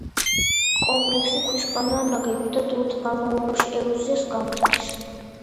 კომპლექსი ქვისგანაა ნაგები და დროთა განმავლობაში ეროზიას განიცდის.